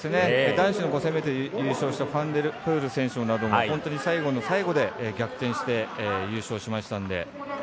男子の５０００ｍ優勝したファン・デル・プール選手も最後の最後で逆転して優勝しましたので。